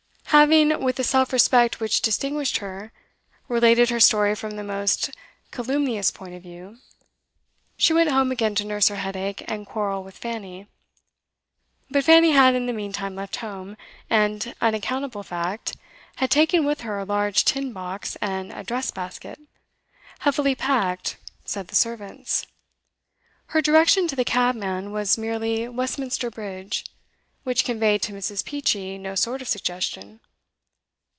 Having, with the self respect which distinguished her, related her story from the most calumnious point of view, she went home again to nurse her headache and quarrel with Fanny. But Fanny had in the meantime left home, and, unaccountable fact, had taken with her a large tin box and a dress basket; heavily packed, said the servants. Her direction to the cabman was merely Westminster Bridge, which conveyed to Mrs. Peachey no sort of suggestion.